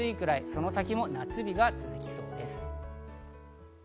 その先も夏日が続きそうです。